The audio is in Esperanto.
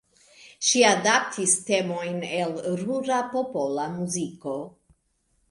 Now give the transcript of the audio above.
Ŝi adaptis temojn el rura popola muziko.